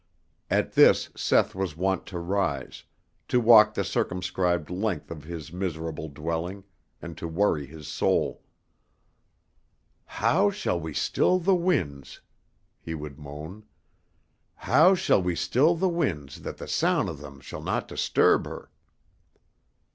At this Seth was wont to rise, to walk the circumscribed length of his miserable dwelling and to worry his soul. "How shall we still the winds?" he would moan. "How shall we still the winds that the soun' of them shall not disturb her?"